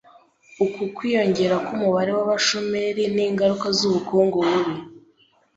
Uku kwiyongera k'umubare w'abashomeri ni ingaruka z'ubukungu bubi